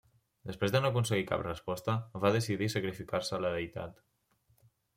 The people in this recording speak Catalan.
Després de no aconseguir resposta, va decidir sacrificar-se a la deïtat.